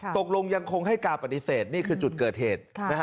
ยังคงให้การปฏิเสธนี่คือจุดเกิดเหตุ